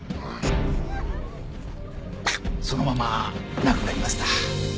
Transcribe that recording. そのまま亡くなりました。